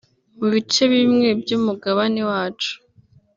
mu bice bimwe by’umugabane wacu